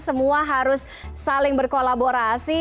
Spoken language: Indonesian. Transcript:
semua harus saling berkolaborasi